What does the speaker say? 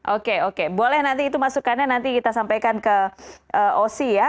oke oke boleh nanti itu masukannya nanti kita sampaikan ke oc ya